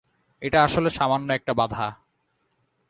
এটা আসলে সামান্য একটা বাধা।